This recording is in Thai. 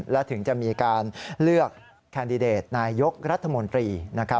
และถึงจะมีการเลือกแคนดิเดตนายกรัฐมนตรีนะครับ